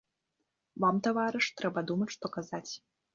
Вам, таварыш, трэба думаць, што казаць.